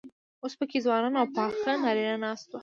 اوس پکې ځوانان او پاخه نارينه ناست وو.